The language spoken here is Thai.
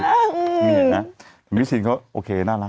พี่วิชินเขาโอเคน่ารัก